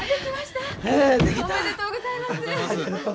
おめでとうございます。